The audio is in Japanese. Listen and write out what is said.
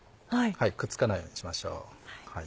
くっつかないようにしましょう。